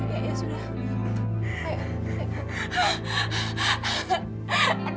ya ya sudah